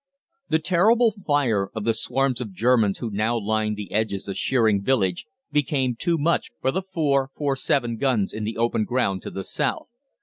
The terrible fire of the swarms of Germans who now lined the edges of Sheering village became too much for the four 4·7 guns on the open ground to the south.